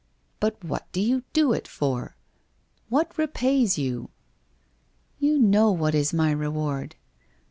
* But what do you do it for ? What repays you ?'' You know what is my reward.